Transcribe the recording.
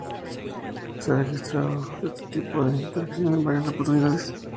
Se ha registrado este tipo de interacción en varias oportunidades.